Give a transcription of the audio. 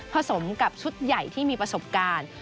สมกับชุดใหญ่ที่มีประสบการณ์